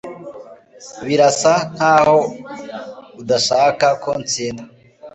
birasa nkaho udashaka ko ntsinda